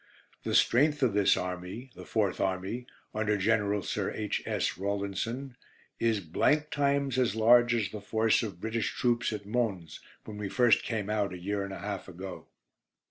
The strength of this army, the Fourth Army under General Sir H. S. Rawlinson, is times as large as the force of British troops at Mons, when we first came out a year and a half ago.